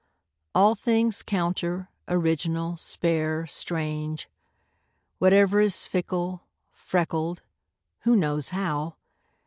All things counter, original, spare, strange; Whatever is fickle, freckled (who knows how?)